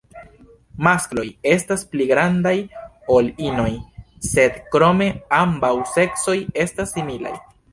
Maskloj estas pli grandaj ol inoj, sed krome ambaŭ seksoj estas similaj.